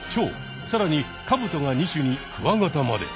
さらにカブトが２種にクワガタまで。